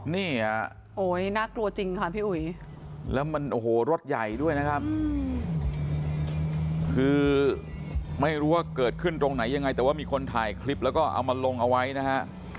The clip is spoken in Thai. นี่ฮะโอ้ยน่ากลัวจริงค่ะพี่อุ๋ยแล้วมันโอ้โหรถใหญ่ด้วยนะครับคือไม่รู้ว่าเกิดขึ้นตรงไหนยังไงแต่ว่ามีคนถ่ายคลิปแล้วก็เอามาลงเอาไว้นะฮะ